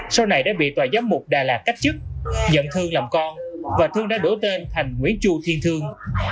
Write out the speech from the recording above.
sau này đã bị tòa giám mục đà lạt cách chức nhận thương làm con và thương đã đổ tên thành nguyễn chu thiên thương